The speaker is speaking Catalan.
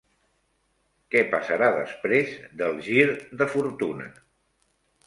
Què passarà després del gir de fortuna?